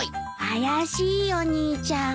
怪しいお兄ちゃん。